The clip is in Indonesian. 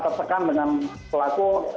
tertekan dengan pelaku